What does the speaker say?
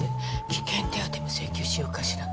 危険手当も請求しようかしら。